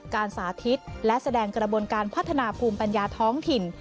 สาธิตและแสดงกระบวนการพัฒนาภูมิปัญญาท้องถิ่น